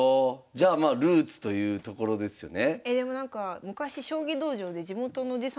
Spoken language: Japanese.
じゃあまあルーツというところですよね。